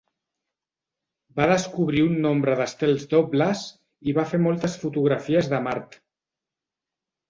Va descobrir un nombre d'estels dobles i va fer moltes fotografies de Mart.